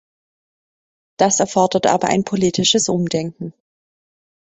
Das erfordert aber ein politisches Umdenken.